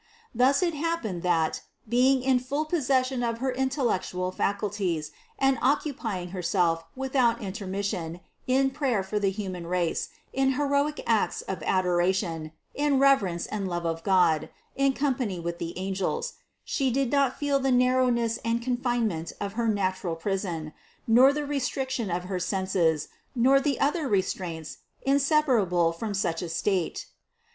Thus it hap pened, that, being in full possession of her intellectual faculties and occupying Herself without intermission in prayer for the human race, in heroic acts of adoration, in reverence and love of God in company with the angels, She did not feel the narrowness and confinement of her natural prison, nor the restriction of her senses, nor the other restraints, inseparable from such a state.